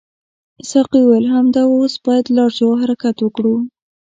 ساقي وویل همدا اوس باید لاړ شو او حرکت وکړو.